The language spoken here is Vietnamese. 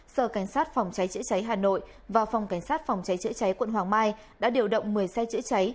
sở cảnh sát phòng cháy chữa cháy hà nội và phòng cảnh sát phòng cháy chữa cháy quận hoàng mai đã điều động một mươi xe chữa cháy